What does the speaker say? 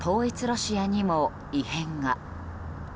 ロシアにも異変が。